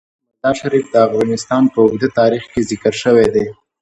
مزارشریف د افغانستان په اوږده تاریخ کې ذکر شوی دی.